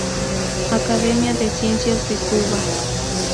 Academia de Ciencias de Cuba